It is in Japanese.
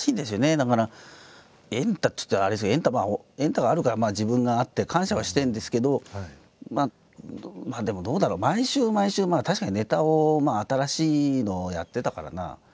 だから「エンタ」っていったらあれですけど「エンタ」があるから自分があって感謝はしてるんですけどまあでもどうだろう毎週毎週確かにネタを新しいのをやってたからな。